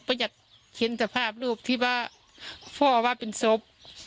ก็อยากเห็นสภาพรูปที่ว่าพ่อว่าเป็นศพ